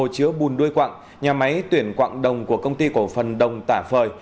chứa bùn đuôi quặng nhà máy tuyển quặng đồng của công ty cổ phần đồng tả phời